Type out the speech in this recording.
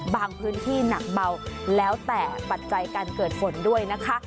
พื้นที่หนักเบาแล้วแต่ปัจจัยการเกิดฝนด้วยนะคะ